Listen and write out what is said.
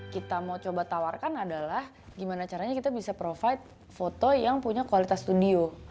kita mau coba tawarkan adalah gimana caranya kita bisa provide foto yang punya kualitas studio